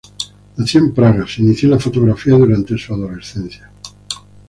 Nacido en Praga, se inició en la fotografía durante su adolescencia.